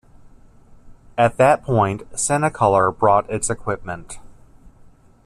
At that point, Cinecolor bought its equipment.